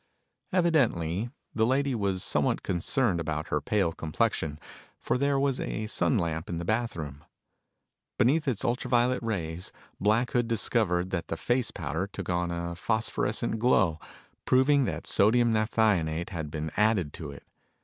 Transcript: Evidently, the lady was somewhat concerned about her pale complexion, for there was a sun lamp in the bathroom. Beneath its ultra violet rays Black Hood discovered that the face powder took on a phosphorescent glow, proving that sodium naphthionate had been added to it.